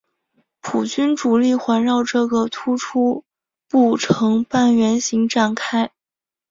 普军主力环绕这个突出部成半圆形展开。